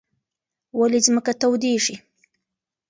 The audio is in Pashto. ولې ځمکه تودېږي؟